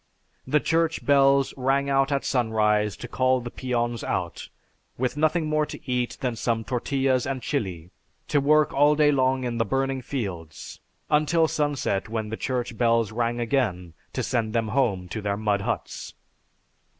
"The Church bells rang out at sunrise to call the peons out, with nothing more to eat than some tortillas and chili, to work all day long in the burning fields, until sunset when the Church bells rang again to send them home to their mud huts.